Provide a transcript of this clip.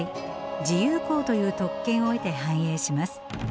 自由港という特権を得て繁栄します。